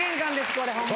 これホンマ。